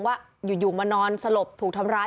ว่าอยู่มานอนสลบถูกทำร้าย